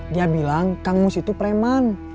dia bilang kang mus itu preman